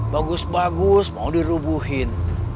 bagus bagus mau dirubuhin